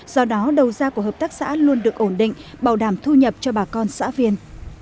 do đó đầu gia của hợp tác xã luôn được ổn định bảo đảm thu nhập cho bà con xã viên